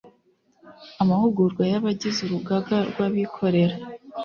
amahugurwa y abagize urugaga rw abikorera